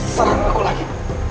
serang aku lagi